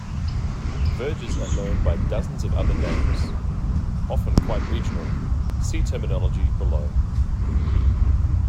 Verges are known by dozens of other names, often quite regional; see Terminology, below.